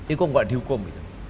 itu kok gak dihukum